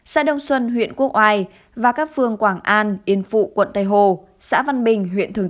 xã đông xuân huyện quốc oai và các phương quảng an yên phụ quận tây hồ xã văn bình huyện thường